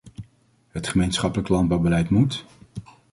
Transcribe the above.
Het gemeenschappelijk landbouwbeleid moet ...